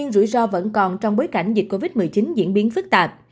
rủi ro vẫn còn trong bối cảnh dịch covid một mươi chín diễn biến phức tạp